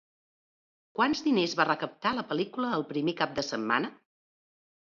Quants diners va recaptar la pel·lícula el primer cap de setmana?